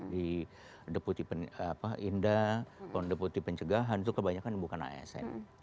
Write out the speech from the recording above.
di deputi indah deputi pencegahan itu kebanyakan yang bukan asn